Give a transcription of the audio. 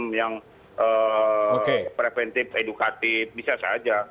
semacam penegakan hukum yang preventif edukatif bisa saja